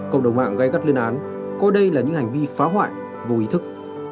cộng đồng mạng gây gắt lên án coi đây là những hành vi phá hoại vô ý thức